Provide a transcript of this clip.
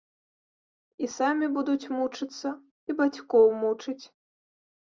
І самі будуць мучыцца і бацькоў мучыць.